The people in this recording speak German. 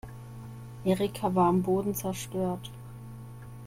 Erika war am Boden zerstört.